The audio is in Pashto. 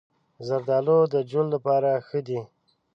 زردالو د جلد لپاره ښه دی.